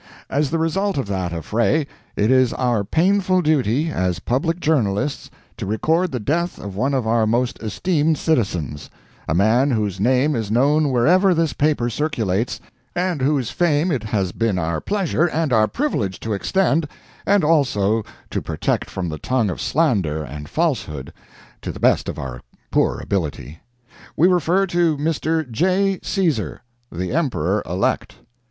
As the result of that affray, it is our painful duty, as public journalists, to record the death of one of our most esteemed citizens a man whose name is known wherever this paper circulates, and whose fame it has been our pleasure and our privilege to extend, and also to protect from the tongue of slander and falsehood, to the best of our poor ability. We refer to Mr. J. Caesar, the Emperor elect.